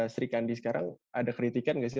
sri kandi sekarang ada kritikan nggak sih